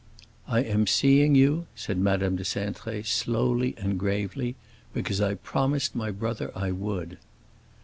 "I am seeing you," said Madame de Cintré, slowly and gravely, "because I promised my brother I would."